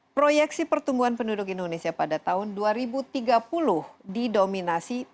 proyeksi pertumbuhan penduduk indonesia pada tahun dua ribu tiga puluh didominasi